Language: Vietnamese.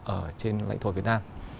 ở trên lãnh thổ việt nam